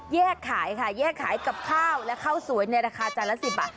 แยกขายค่ะแยกขายกับข้าวและข้าวสวยในราคาจานละ๑๐บาท